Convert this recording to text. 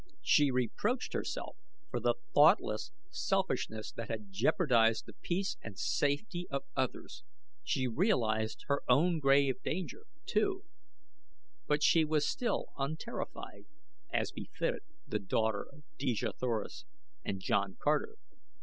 She reproached herself for the thoughtless selfishness that had jeopardized the peace and safety of others. She realized her own grave danger, too; but she was still unterrified, as befitted the daughter of Dejah Thoris and John Carter.